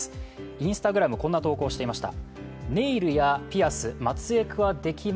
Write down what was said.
Ｉｎｓｔａｇｒａｍにこんな投稿をしていました。